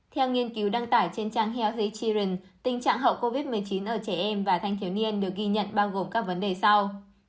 theo nghiên cứu đăng tải trên trang hels chirion tình trạng hậu covid một mươi chín ở trẻ em và thanh thiếu niên được ghi nhận bao gồm các vấn đề sau